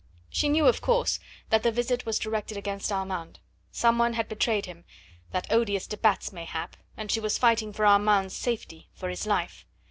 She knew, of course, that the visit was directed against Armand some one had betrayed him, that odious de Batz mayhap and she was fighting for Armand's safety, for his life.